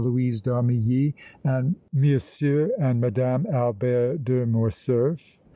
Louise d' Armilly and M. and Madame Albert de Morcerf.